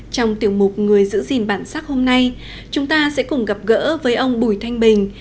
trong tiểu mục người giữ gìn bản sắc hôm nay chúng ta sẽ cùng gặp gỡ với ông bùi thanh bình